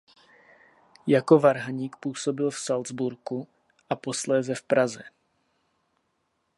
Jako varhaník působil v Salzburgu a posléze v Praze.